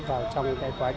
vào trong quá trình sản xuất